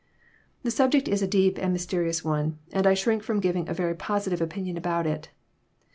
The subject is a deep and mysterious one, and I shrink fi'om giving a very positive opinion about it.